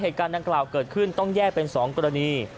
เหตุการณ์ดังกล่าวเกิดขึ้นต้องแยกเป็น๒กรณี